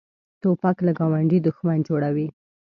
توپک له ګاونډي دښمن جوړوي.